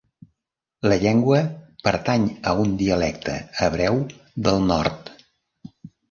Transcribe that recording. La llengua pertany a un dialecte hebreu del nord.